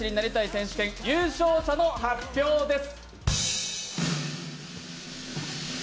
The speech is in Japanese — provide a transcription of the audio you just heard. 選手権、優勝者の発表です。